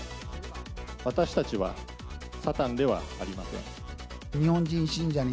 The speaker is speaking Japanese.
私たちはサタンではありません。